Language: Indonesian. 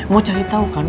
mau cari tau kan